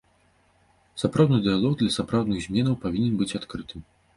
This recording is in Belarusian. Сапраўдны дыялог, для сапраўдных зменаў, павінен быць адкрыты.